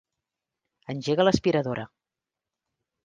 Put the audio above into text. Engega l'aspiradora.